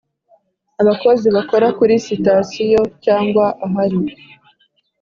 Abakozi bakora kuri sitasiyo cyangwa ahari